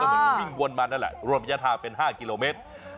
มิ่งวนมานั่นแหละวิ่งบนระยะทางเป็น๕กิโลเมตร